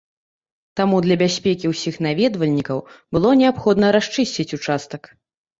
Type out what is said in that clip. Таму для бяспекі ўсіх наведвальнікаў было неабходна расчысціць ўчастак.